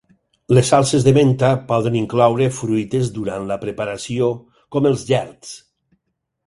Les salses de menta poden incloure fruites durant la preparació, com els gerds.